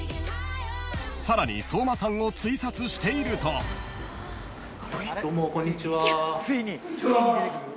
［さらに相馬さんをツイサツしていると］どうもこんにちは。